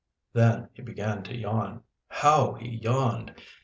Then he began to yawn. How he yawned!